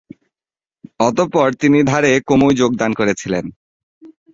অতঃপর তিনি ধারে কোমোয় যোগদান করেছিলেন।